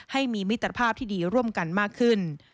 ให้มีมิตรภาพที่ดีร่วมกันมากขึ้น